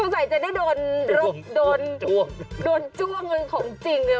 โอ้ยคงใส่จะได้โดนจ้วงของจริง